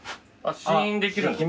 試飲できるんだ。